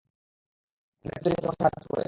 Gym, turkey তৈরিতে তোমাকে সাহায্য করি।